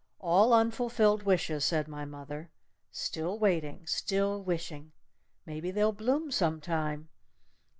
"All unfulfilled wishes," said my mother. "Still waiting still wishing! Maybe they'll bloom some time!